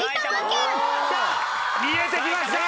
見えてきました。